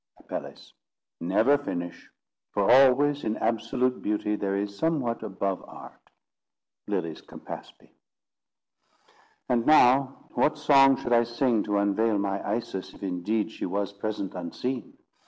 Apelles. 'Never finish: for always in absolute beauty there is somewhat above art.'" LYLY'S Campaspe. And now, what song should I sing to unveil my Isis, if indeed she was present unseen?